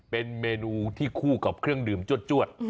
เป็นเมนูที่คู่กับเครื่องดื่มจวด